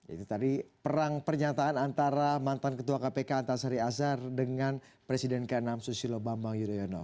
itu tadi perang pernyataan antara mantan ketua kpk antasari azhar dengan presiden ke enam susilo bambang yudhoyono